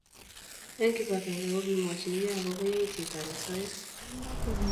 eng kibagenge ko kimwachinigei akoba yaitiet ab asoya